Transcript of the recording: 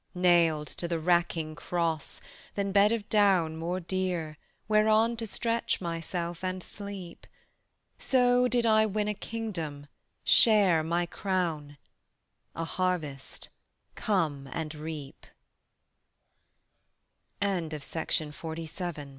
Nailed to the racking cross, than bed of down More dear, whereon to stretch Myself and sleep: So did I win a kingdom, share My crown; A harvest, come and reap. "A BRUISED REED SHALL HE NOT BREAK."